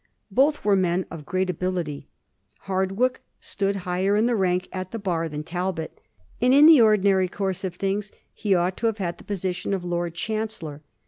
Both were men of great ability. Hard wicke stood higher in the rank at the bar than Talbot, and in the ordinary course of things he ought to have had the position of Lord Chancellor.